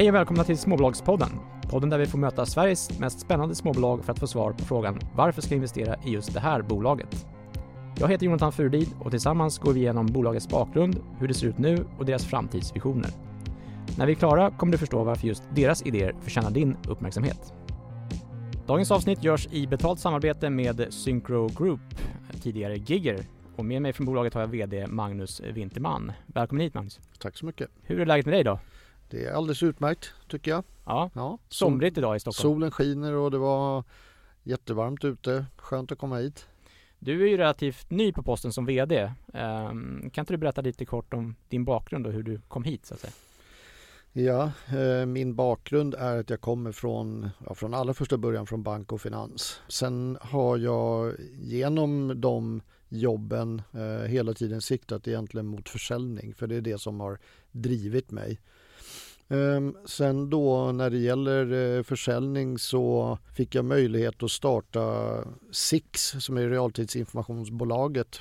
Hej och välkomna till Småbolagspodden. Podden där vi får möta Sveriges mest spännande småbolag för att få svar på frågan: Varför ska vi investera i just det här bolaget? Jag heter Jonathan Furudahl och tillsammans går vi igenom bolagets bakgrund, hur det ser ut nu och deras framtidsvisioner. När vi är klara kommer du förstå varför just deras idéer förtjänar din uppmärksamhet. Dagens avsnitt görs i betalt samarbete med Syncro Group, tidigare Gigger, och med mig från bolaget har jag VD Magnus Winterman. Välkommen hit Magnus. Tack så mycket. Hur är läget med dig då? Det är alldeles utmärkt tycker jag. Ja, somrigt i dag i Stockholm. Solen skiner och det var jättevarmt ute. Skönt att komma hit. Du är ju relativt ny på posten som VD. Kan inte du berätta lite kort om din bakgrund och hur du kom hit så att säga? Min bakgrund är att jag kommer från allra första början från bank och finans. Har jag igenom de jobben hela tiden siktat egentligen mot försäljning, för det är det som har drivit mig. När det gäller försäljning så fick jag möjlighet att starta SIX, som är realtidsinformationsbolaget,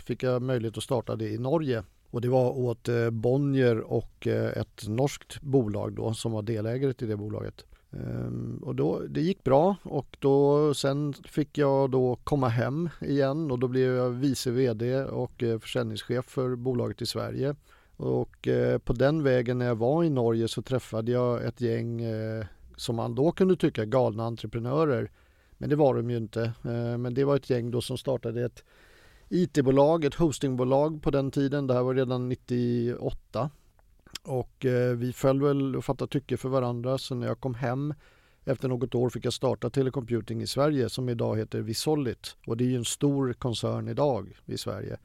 i Norge. Det var åt Bonnier och ett norskt bolag som var delägare till det bolaget. Det gick bra. Fick jag komma hem igen och blev jag vice VD och försäljningschef för bolaget i Sverige. På den vägen när jag var i Norge så träffade jag ett gäng som man kunde tycka galna entreprenörer. Det var de ju inte. Men det var ett gäng då som startade ett IT-bolag, ett hostingbolag på den tiden. Det här var redan 1998. Och vi föll väl och fattade tycke för varandra. Så när jag kom hem efter något år fick jag starta TeleComputing i Sverige som i dag heter Visolit. Och det är ju en stor koncern i dag i Sverige.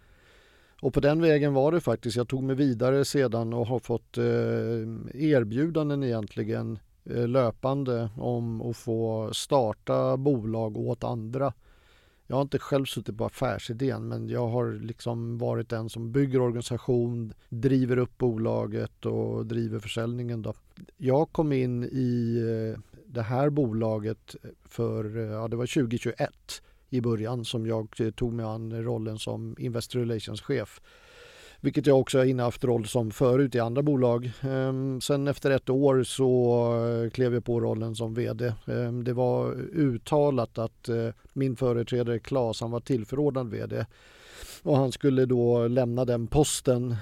Och på den vägen var det faktiskt. Jag tog mig vidare sedan och har fått erbjudanden egentligen löpande om att få starta bolag åt andra. Jag har inte själv suttit på affärsidén, men jag har liksom varit den som bygger organisation, driver upp bolaget och driver försäljningen då. Jag kom in i det här bolaget för ja det var 2021 i början som jag tog mig an rollen som IR-chef, vilket jag också innehaft roll som förut i andra bolag. Efter ett år så klev jag på rollen som VD. Det var uttalat att min företrädare Claes, han var tillförordnad VD och han skulle då lämna den posten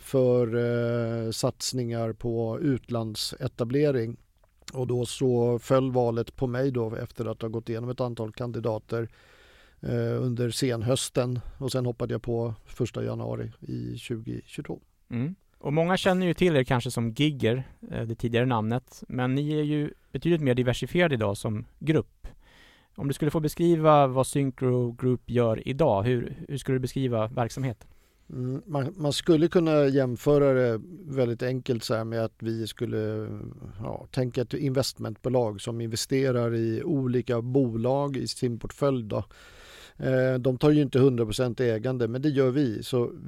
för satsningar på utlandsetablering. Föll valet på mig då efter att ha gått igenom ett antal kandidater under senhösten. Hoppade jag på första januari i 2022. Många känner ju till er kanske som Gigger, det tidigare namnet, men ni är ju betydligt mer diversifierade i dag som grupp. Om du skulle få beskriva vad Syncro Group gör i dag, hur skulle du beskriva verksamheten? Man skulle kunna jämföra det väldigt enkelt såhär med att vi skulle tänka ett investmentbolag som investerar i olika bolag i sin portfölj då. De tar ju inte hundra procent ägande, men det gör vi.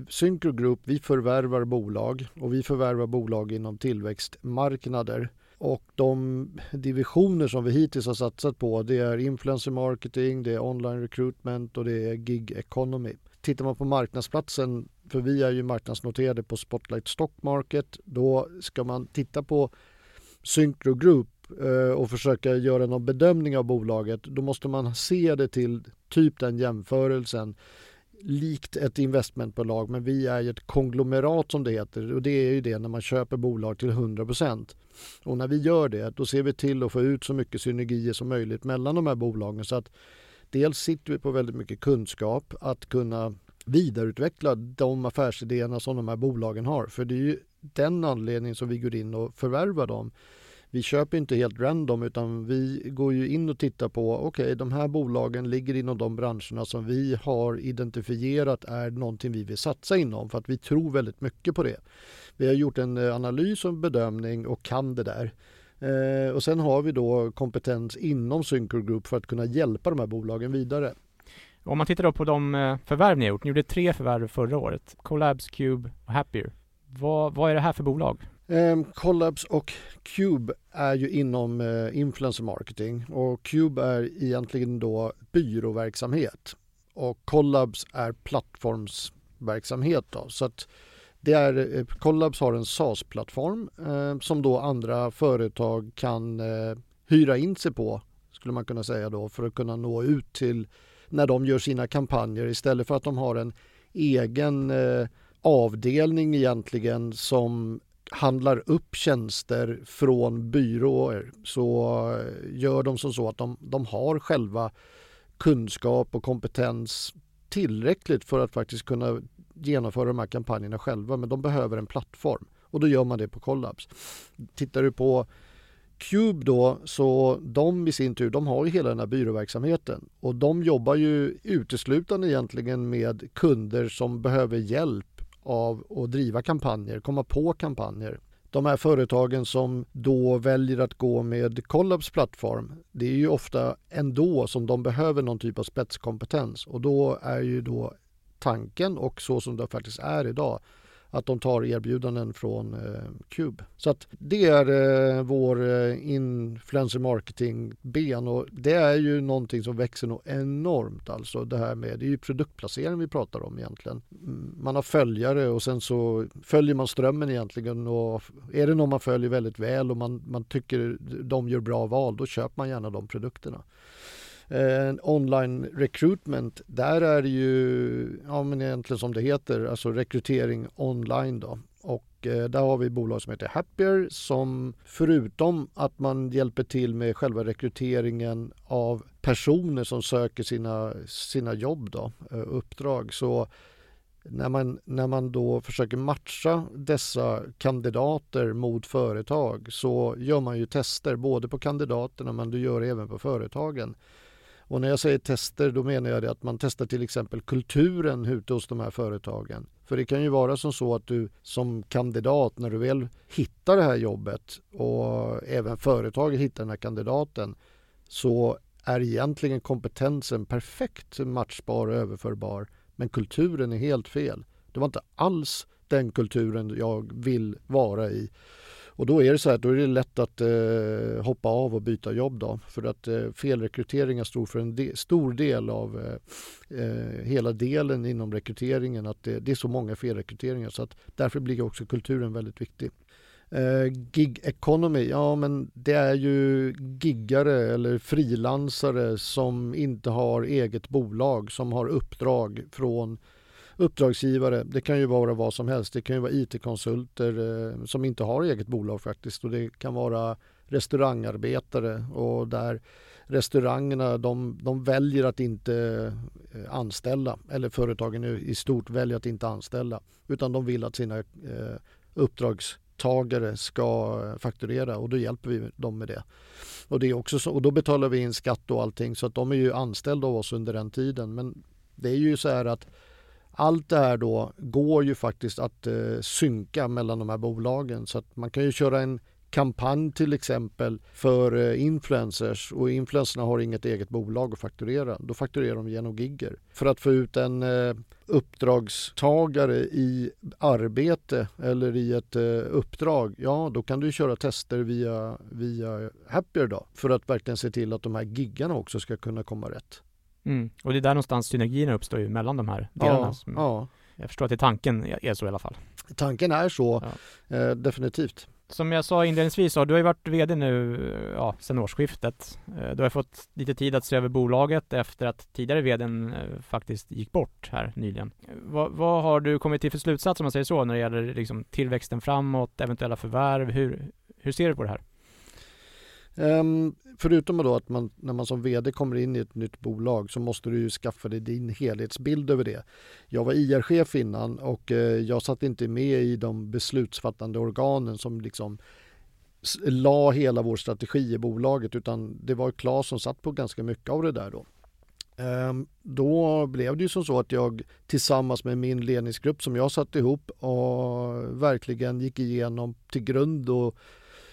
Syncro Group, vi förvärvar bolag och vi förvärvar bolag inom tillväxtmarknader. De divisioner som vi hittills har satsat på, det är influencer marketing, det är online recruitment och det är gig economy. Tittar man på marknadsplatsen, för vi är ju marknadsnoterade på Spotlight Stock Market, då ska man titta på Syncro Group och försöka göra någon bedömning av bolaget, då måste man se det till typ den jämförelsen likt ett investmentbolag. Vi är ett konglomerat som det heter och det är ju det när man köper bolag till hundra procent. När vi gör det, då ser vi till att få ut så mycket synergier som möjligt mellan de här bolagen. Så att dels sitter vi på väldigt mycket kunskap att kunna vidareutveckla de affärsidéerna som de här bolagen har. För det är ju den anledningen som vi går in och förvärvar dem. Vi köper inte helt random, utan vi går ju in och tittar på, okej, de här bolagen ligger inom de branscherna som vi har identifierat är någonting vi vill satsa inom för att vi tror väldigt mycket på det. Vi har gjort en analys och bedömning och kan det där. Och sen har vi då kompetens inom Syncro Group för att kunna hjälpa de här bolagen vidare. Om man tittar då på de förvärv ni har gjort, ni gjorde tre förvärv förra året, Collabs, CUBE och Happyr. Vad är det här för bolag? Collabs och CUBE är ju inom influencer marketing och CUBE är egentligen då byråverksamhet. Och Collabs är plattformsverksamhet då. Så att det är Collabs har en SaaS-plattform som då andra företag kan hyra in sig på skulle man kunna säga då för att kunna nå ut till när de gör sina kampanjer. Istället för att de har en egen avdelning egentligen som handlar upp tjänster från byråer så gör de som så att de har själva kunskap och kompetens tillräckligt för att faktiskt kunna genomföra de här kampanjerna själva. Men de behöver en plattform och då gör man det på Collabs. Tittar du på CUBE då så de i sin tur, de har ju hela den här byråverksamheten. Och de jobbar ju uteslutande egentligen med kunder som behöver hjälp av att driva kampanjer, komma på kampanjer. De här företagen som då väljer att gå med Collabs plattform, det är ju ofta ändå som de behöver någon typ av spetskompetens och då är ju tanken och så som det faktiskt är idag att de tar erbjudanden från CUBE. Att det är vår influencer marketing ben och det är ju någonting som växer enormt alltså det här med, det är ju produktplacering vi pratar om egentligen. Man har följare och sen så följer man strömmen egentligen. Är det någon man följer väldigt väl och man tycker de gör bra val, då köper man gärna de produkterna. Online recruitment, där är det ju, ja men egentligen som det heter, alltså rekrytering online då. Där har vi ett bolag som heter Happyr som förutom att man hjälper till med själva rekryteringen av personer som söker sina jobb då, uppdrag. När man då försöker matcha dessa kandidater mot företag så gör man ju tester både på kandidaterna, men du gör det även på företagen. När jag säger tester, då menar jag det att man testar till exempel kulturen ute hos de här företagen. Det kan ju vara som så att du som kandidat, när du väl hittar det här jobbet och även företaget hittar den här kandidaten, så är egentligen kompetensen perfekt matchbar och överförbar, men kulturen är helt fel. Det var inte alls den kulturen jag vill vara i. Då är det såhär, då är det lätt att hoppa av och byta jobb då. Felrekryteringar står för en stor del av hela delen inom rekryteringen. Att det är så många felrekryteringar. Att därför blir också kulturen väldigt viktig. Gig economy. Det är ju giggare eller frilansare som inte har eget bolag, som har uppdrag från uppdragsgivare. Det kan ju vara vad som helst. Det kan ju vara IT-konsulter som inte har eget bolag faktiskt. Det kan vara restaurangarbetare och där restaurangerna de väljer att inte anställa. Företagen i stort väljer att inte anställa, utan de vill att sina uppdragstagare ska fakturera och då hjälper vi dem med det. Det är också så, och då betalar vi in skatt och allting. De är ju anställda av oss under den tiden. Det är ju såhär att allt det här då går ju faktiskt att synka mellan de här bolagen. Man kan ju köra en kampanj till exempel för influencers och influencers har inget eget bolag att fakturera. Då fakturerar de genom Gigger. För att få ut en uppdragstagare i arbete eller i ett uppdrag, ja då kan du köra tester via Happyr då för att verkligen se till att de här giggarna också ska kunna komma rätt. Det är där någonstans synergierna uppstår ju mellan de här delarna. Ja, ja. Jag förstår att det är tanken så i alla fall. Tanken är så, definitivt. Som jag sa inledningsvis så du har ju varit VD nu ja sedan årsskiftet. Du har ju fått lite tid att se över bolaget efter att tidigare VD:n faktiskt gick bort här nyligen. Vad har du kommit till för slutsats om man säger så när det gäller liksom tillväxten framåt, eventuella förvärv? Hur ser du på det här? Förutom då att man, när man som VD kommer in i ett nytt bolag så måste du ju skaffa dig din helhetsbild över det. Jag var IR-chef innan och jag satt inte med i de beslutsfattande organen som liksom la hela vår strategi i bolaget, utan det var Claes som satt på ganska mycket av det där då. Då blev det ju som så att jag tillsammans med min ledningsgrupp som jag satt ihop och verkligen gick igenom till grund och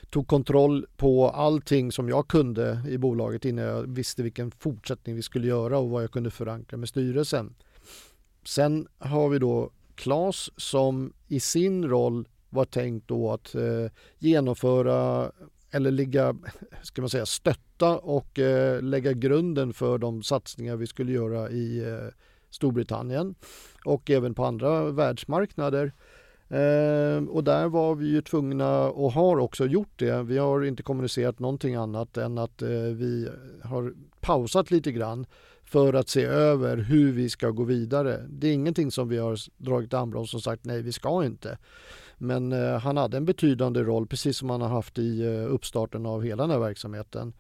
tog kontroll på allting som jag kunde i bolaget innan jag visste vilken fortsättning vi skulle göra och vad jag kunde förankra med styrelsen. Sen har vi då Claes som i sin roll var tänkt då att genomföra eller ligga, ska man säga, stötta och lägga grunden för de satsningar vi skulle göra i Storbritannien och även på andra världsmarknader. Där var vi ju tvungna och har också gjort det. Vi har inte kommunicerat någonting annat än att vi har pausat lite grann för att se över hur vi ska gå vidare. Det är ingenting som vi har dragit i handbroms och sagt nej, vi ska inte. Han hade en betydande roll, precis som han har haft i uppstarten av hela den här verksamheten.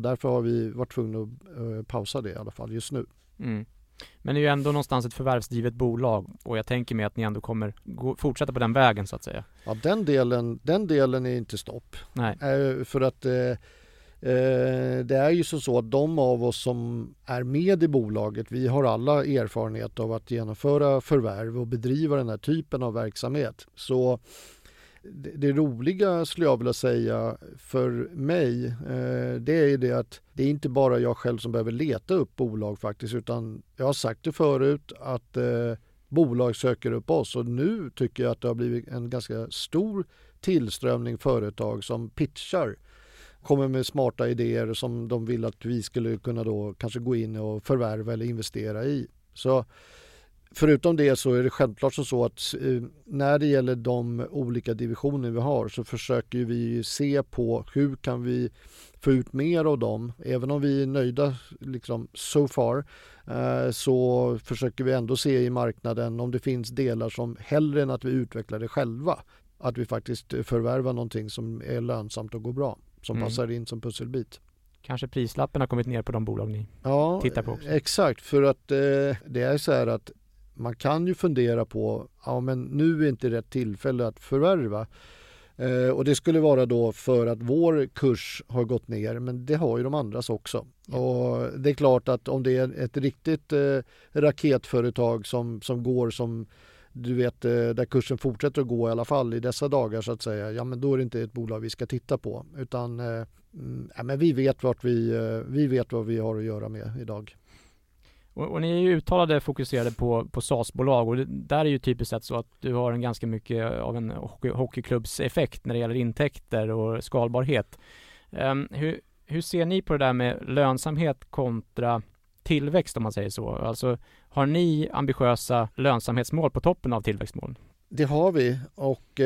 Därför har vi varit tvungna att pausa det i alla fall just nu. Det är ju ändå någonstans ett förvärvsdrivet bolag och jag tänker mig att ni ändå kommer gå, fortsätta på den vägen så att säga. Ja den delen är inte stopp. Nej. För att det är ju så att de av oss som är med i bolaget, vi har alla erfarenhet av att genomföra förvärv och bedriva den här typen av verksamhet. Det roliga skulle jag vilja säga för mig, det är ju det att det är inte bara jag själv som behöver leta upp bolag faktiskt, utan jag har sagt det förut att bolag söker upp oss. Nu tycker jag att det har blivit en ganska stor tillströmning företag som pitchar, kommer med smarta idéer som de vill att vi skulle kunna då kanske gå in och förvärva eller investera i. Förutom det så är det självklart som så att när det gäller de olika divisioner vi har så försöker vi se på hur kan vi få ut mer av dem. Även om vi är nöjda liksom so far, så försöker vi ändå se i marknaden om det finns delar som hellre än att vi utvecklar det själva, att vi faktiskt förvärvar någonting som är lönsamt och går bra, som passar in som pusselbit. Kanske prislappen har kommit ner på de bolag ni tittar på? Ja exakt, för att det är så här att man kan ju fundera på, ja men nu är inte rätt tillfälle att förvärva. Det skulle vara då för att vår kurs har gått ner, men det har ju de andras också. Det är klart att om det är ett riktigt raketföretag som går som du vet där kursen fortsätter att gå i alla fall i dessa dagar så att säga. Ja men då är det inte ett bolag vi ska titta på. Nej men vi vet vad vi har att göra med i dag. Ni är uttalat fokuserade på SaaS-bolag och där är ju typiskt sett så att du har en ganska mycket av en hockeyklubbseffekt när det gäller intäkter och skalbarhet. Hur ser ni på det där med lönsamhet kontra tillväxt om man säger så? Alltså har ni ambitiösa lönsamhetsmål på toppen av tillväxtmål? Det har vi och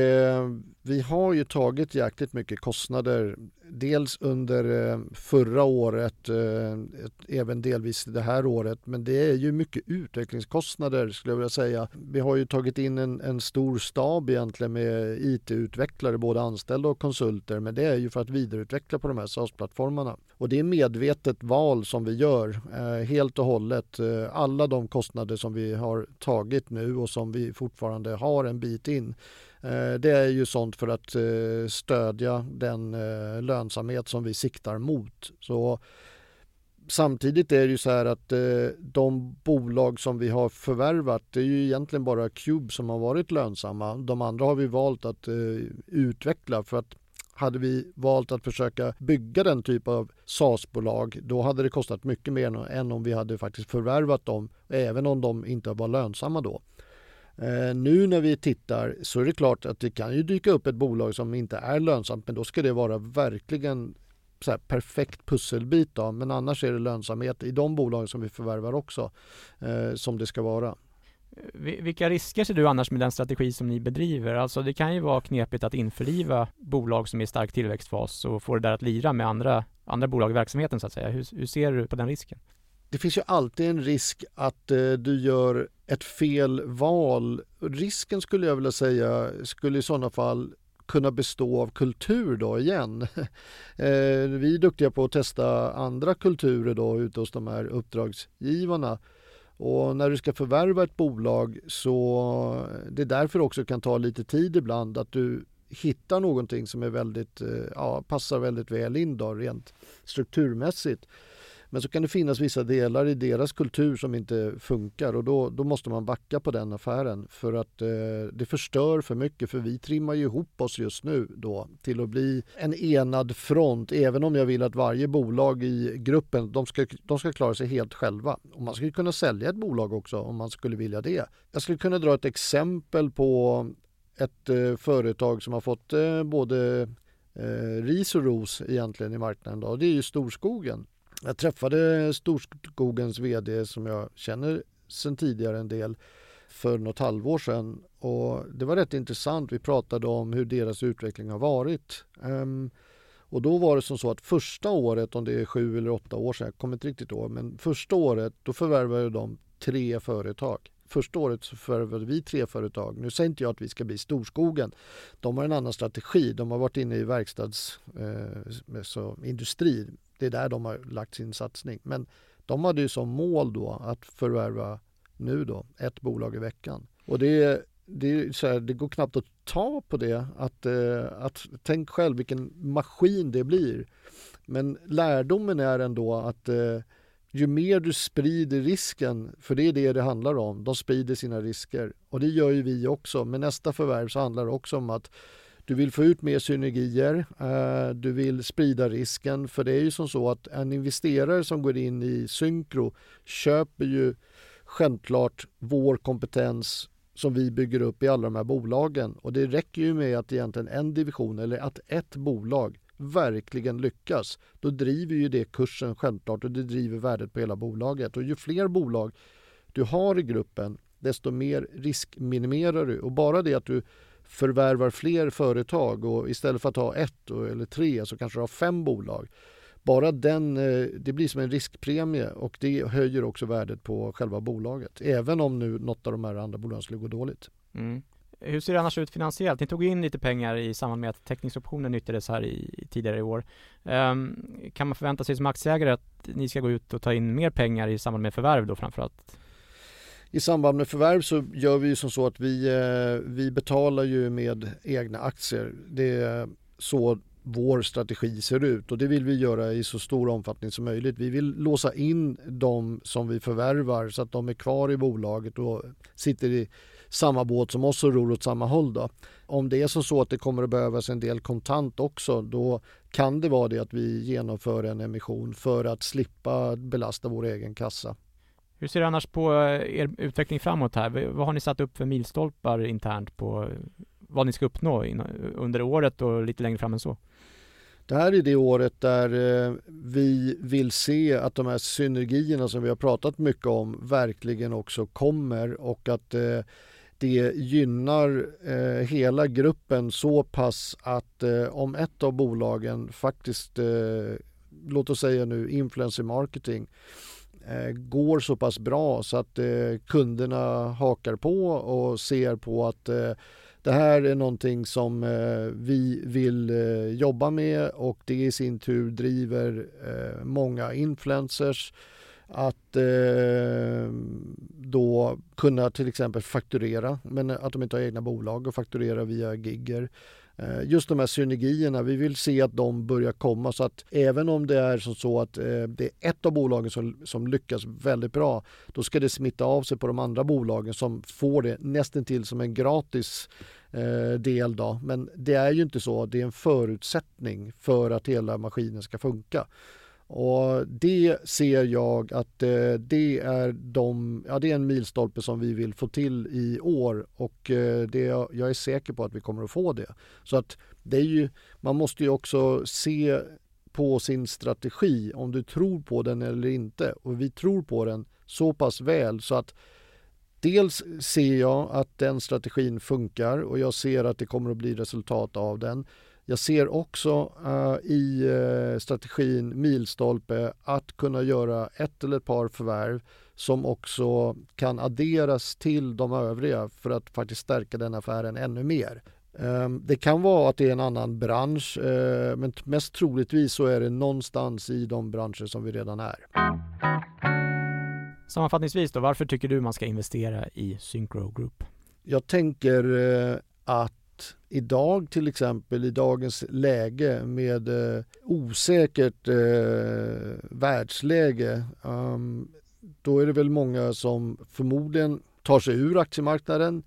vi har ju tagit jäkligt mycket kostnader, dels under förra året, även delvis det här året, men det är ju mycket utvecklingskostnader skulle jag vilja säga. Vi har ju tagit in en stor stab egentligen med IT-utvecklare, både anställda och konsulter, men det är ju för att vidareutveckla på de här SaaS-plattformarna. Det är medvetet val som vi gör, helt och hållet. Alla de kostnader som vi har tagit nu och som vi fortfarande har en bit in, det är ju sånt för att stödja den lönsamhet som vi siktar mot. Samtidigt är det ju såhär att de bolag som vi har förvärvat, det är ju egentligen bara CUBE som har varit lönsamma. De andra har vi valt att utveckla för att hade vi valt att försöka bygga den typ av SaaS-bolag, då hade det kostat mycket mer än om vi hade faktiskt förvärvat dem, även om de inte var lönsamma då. Nu när vi tittar så är det klart att det kan ju dyka upp ett bolag som inte är lönsamt, men då ska det vara verkligen såhär perfekt pusselbit då. Men annars är det lönsamhet i de bolagen som vi förvärvar också, som det ska vara. Vilka risker ser du annars med den strategi som ni bedriver? Alltså, det kan ju vara knepigt att införliva bolag som är i stark tillväxtfas och få det där att lira med andra bolag i verksamheten så att säga. Hur ser du på den risken? Det finns ju alltid en risk att du gör ett fel val. Risken skulle jag vilja säga i sådana fall kunna bestå av kultur då igen. Vi är duktiga på att testa andra kulturer då ute hos de här uppdragsgivarna. När du ska förvärva ett bolag så, det är därför också det kan ta lite tid ibland att du hittar någonting som är väldigt, ja passar väldigt väl in då rent strukturmässigt. Så kan det finnas vissa delar i deras kultur som inte funkar och då måste man backa på den affären för att det förstör för mycket. Vi trimmar ju ihop oss just nu då till att bli en enad front, även om jag vill att varje bolag i gruppen, de ska klara sig helt själva. Man skulle kunna sälja ett bolag också om man skulle vilja det. Jag skulle kunna dra ett exempel på ett företag som har fått både ris och ros egentligen i marknaden. Det är ju Storskogen. Jag träffade Storskogens VD som jag känner sen tidigare en del för något halvår sedan och det var rätt intressant. Vi pratade om hur deras utveckling har varit. Och då var det som så att första året, om det är 7 eller 8 år sen, jag kommer inte riktigt ihåg, men första året, då förvärvar ju de 3 företag. Första året så förvärvade vi 3 företag. Nu säger inte jag att vi ska bli Storskogen. De har en annan strategi. De har varit inne i verkstadsindustrin. Det är där de har lagt sin satsning. Men de hade ju som mål då att förvärva nu då 1 bolag i veckan. Och det är, det är såhär, det går knappt att ta på det. Att tänka själv vilken maskin det blir. Lärdomen är ändå att ju mer du sprider risken, för det är det det handlar om, de sprider sina risker och det gör ju vi också. Med nästa förvärv så handlar det också om att du vill få ut mer synergier, du vill sprida risken. För det är ju som så att en investerare som går in i Syncro köper ju så klart vår kompetens som vi bygger upp i alla de här bolagen. Det räcker ju med att egentligen en division eller att ett bolag verkligen lyckas. Då driver ju det kursen så klart och det driver värdet på hela bolaget. Ju fler bolag du har i gruppen, desto mer riskminimerar du. Bara det att du förvärvar fler företag och istället för att ta 1 eller 3 så kanske du har 5 bolag. Bara den, det blir som en riskpremie och det höjer också värdet på själva bolaget. Även om nu något av de här andra bolagen skulle gå dåligt. Hur ser det annars ut finansiellt? Ni tog in lite pengar i samband med att teckningsoptionen nyttjades här i tidigare i år. Kan man förvänta sig som aktieägare att ni ska gå ut och ta in mer pengar i samband med förvärv då framför allt? I samband med förvärv så gör vi ju som så att vi betalar ju med egna aktier. Det är så vår strategi ser ut och det vill vi göra i så stor omfattning som möjligt. Vi vill låsa in de som vi förvärvar så att de är kvar i bolaget och sitter i samma båt som oss och ror åt samma håll då. Om det är så att det kommer att behövas en del kontant också, då kan det vara det att vi genomför en emission för att slippa belasta vår egen kassa. Hur ser du annars på er utveckling framåt här? Vad har ni satt upp för milstolpar internt på vad ni ska uppnå under året och lite längre fram än så? Det här är det året där vi vill se att de här synergierna som vi har pratat mycket om verkligen också kommer och att det gynnar hela gruppen så pass att om ett av bolagen faktiskt, låt oss säga nu influencer marketing, går så pass bra så att kunderna hakar på och ser på att det här är någonting som vi vill jobba med och det i sin tur driver många influencers att då kunna till exempel fakturera, men att de inte har egna bolag och fakturerar via Gigger. Just de här synergierna, vi vill se att de börjar komma så att även om det är som så att det är ett av bolagen som lyckas väldigt bra, då ska det smitta av sig på de andra bolagen som får det nästintill som en gratis del då. Det är ju inte så. Det är en förutsättning för att hela maskinen ska funka. Det ser jag att det är en milstolpe som vi vill få till i år och det, jag är säker på att vi kommer att få det. Det är ju, man måste ju också se på sin strategi om du tror på den eller inte. Vi tror på den så pass väl så att dels ser jag att den strategin funkar och jag ser att det kommer att bli resultat av den. Jag ser också i strategin milstolpe att kunna göra ett eller ett par förvärv som också kan adderas till de övriga för att faktiskt stärka den affären ännu mer. Det kan vara att det är en annan bransch, men mest troligtvis så är det någonstans i de branscher som vi redan är. Sammanfattningsvis då, varför tycker du man ska investera i Syncro Group? Jag tänker att i dag till exempel, i dagens läge med osäkert världsläge, då är det väl många som förmodligen tar sig ur aktiemarknaden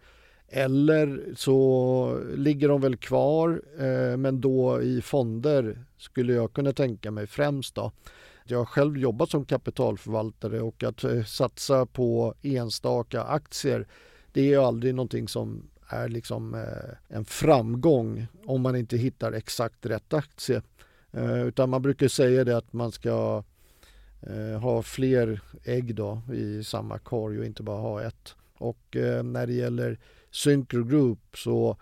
eller så ligger de väl kvar, men då i fonder skulle jag kunna tänka mig främst då. Jag har själv jobbat som kapitalförvaltare och att satsa på enstaka aktier, det är aldrig någonting som är liksom en framgång om man inte hittar exakt rätt aktie. Man brukar säga det att man ska ha fler ägg då i samma korg och inte bara ha ett. När det gäller Syncro Group så,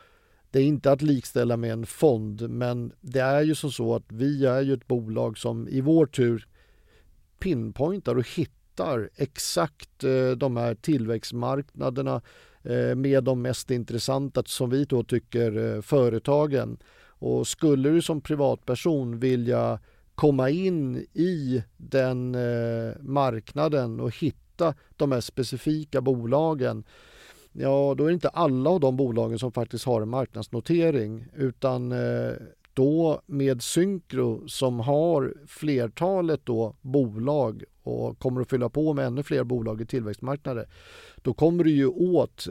det är inte att likställa med en fond, men det är ju som så att vi är ju ett bolag som i vår tur pinpointar och hittar exakt de här tillväxtmarknaderna med de mest intressanta som vi då tycker företagen. Skulle du som privatperson vilja komma in i den marknaden och hitta de här specifika bolagen? Ja, då är inte alla av de bolagen som faktiskt har en marknadsnotering, utan då med Syncro som har flertalet då bolag och kommer att fylla på med ännu fler bolag i tillväxtmarknader. Då kommer du ju åt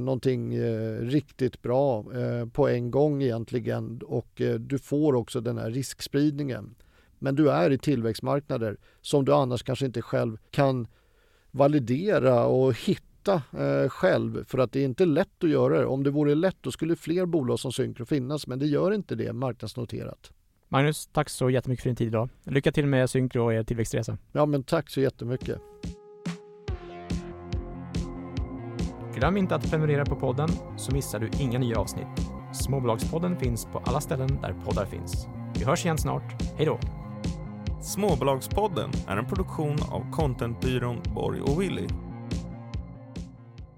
någonting riktigt bra på en gång egentligen och du får också den här riskspridningen. Du är i tillväxtmarknader som du annars kanske inte själv kan validera och hitta själv för att det är inte lätt att göra det. Om det vore lätt då skulle fler bolag som Syncro finnas, men det gör inte det marknadsnoterat. Magnus, tack så jättemycket för din tid då. Lycka till med Syncro och er tillväxtresa. Ja men tack så jättemycket. Glöm inte att prenumerera på podden så missar du inga nya avsnitt. Småbolagspodden finns på alla ställen där poddar finns. Vi hörs igen snart. Hej då. Småbolagspodden är en produktion av Contentbyrån Borg & Owilli.